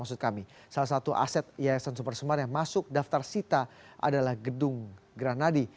maksud kami salah satu aset yayasan supersemar yang masuk daftar sita adalah gedung granadi